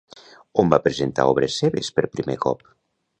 On va presentar obres seves per primer cop?